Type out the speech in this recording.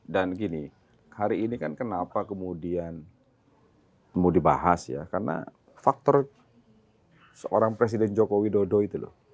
dan gini hari ini kan kenapa kemudian mau dibahas ya karena faktor seorang presiden joko widodo itu loh